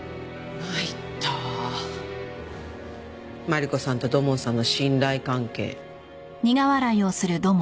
マリコさんと土門さんの信頼関係。